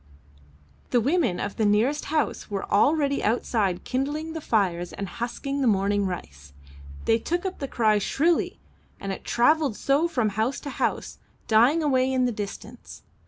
The women of the nearest house were already outside kindling the fires and husking the morning rice. They took up the cry shrilly, and it travelled so from house to house, dying away in the distance.